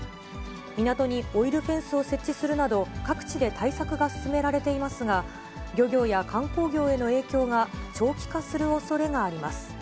港にオイルフェンスを設置するなど、各地で対策が進められていますが、漁業や観光業への影響が長期化するおそれがあります。